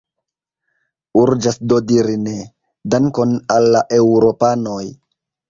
Urĝas do diri ne, dankon al la eŭropanoj.